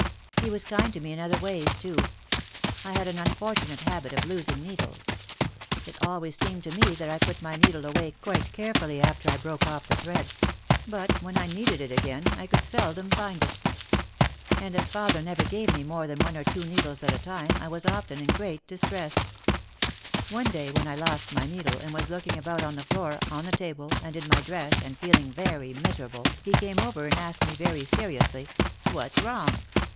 He was kind to me in other ways too. I had an unfortunate habit of losing needles. It always seemed to me that I put my needle away quite carefully after I broke off the thread; but when I needed it again I could seldom find it. And as father never gave me more than one or two needles at a time I was often in great distress. One day when I lost my needle and was looking about on the floor, on the table, and in my dress and feeling very miserable, he came over and asked me very seriously, "What's wrong?"